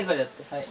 はい。